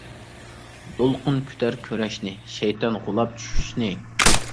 دولقۇن كۈتەر كۈرەشنى، شەيتان غۇلاپ چۈشۈشنى.